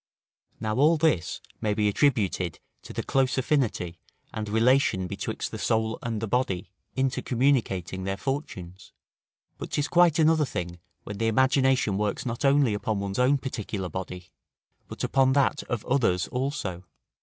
Now all this may be attributed to the close affinity and relation betwixt the soul and the body intercommunicating their fortunes; but 'tis quite another thing when the imagination works not only upon one's own particular body, but upon that of others also.